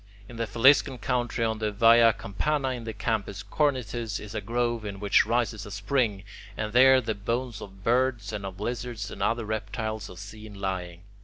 In the Faliscan country on the Via Campana in the Campus Cornetus is a grove in which rises a spring, and there the bones of birds and of lizards and other reptiles are seen lying.